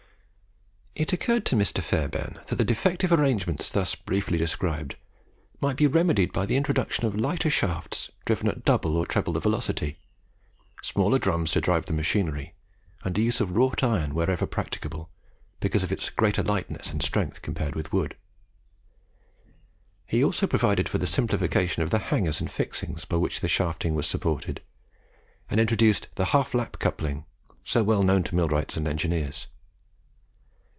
It occurred to Mr. Fairbairn that the defective arrangements thus briefly described, might be remedied by the introduction of lighter shafts driven at double or treble the velocity, smaller drums to drive the machinery, and the use of wrought iron wherever practicable, because of its greater lightness and strength compared with wood. He also provided for the simplification of the hangers and fixings by which the shafting was supported, and introduced the "half lap coupling" so well known to millwrights and engineers.